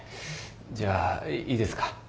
じゃあいいですか。